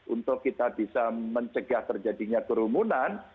untuk kita bisa mencegah terjadinya kerumunan